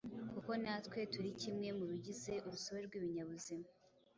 kuko natwe turi kimwe mu bigize urusobe rw’ibinyabuzima,